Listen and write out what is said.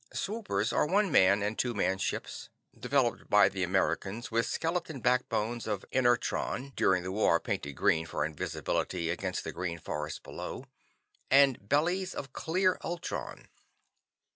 Swoopers are one man and two man ships, developed by the Americans, with skeleton backbones of inertron (during the war painted green for invisibility against the green forests below) and "bellies" of clear ultron.